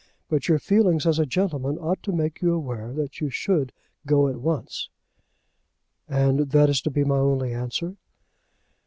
But your feelings as a gentleman ought to make you aware that you should go at once." "And that is to be my only answer?"